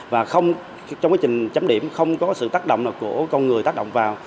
và trong quá trình chấm điểm không có sự tác động nào của con người tác động vào